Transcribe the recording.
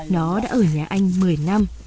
nó đã ở nhà anh một mươi năm